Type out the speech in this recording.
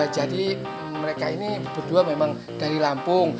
jadi mereka ini berdua memang dari lampung